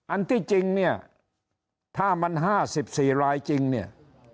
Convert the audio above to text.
อันที่จริงเนี่ยถ้ามัน๕๔รายจริงเนี่ย